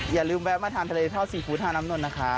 อย่าลืมแวะมาทานไทรเทศทอดซีฟู้ดธานำนนต์นะครับ